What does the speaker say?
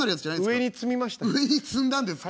上に積んだんですか？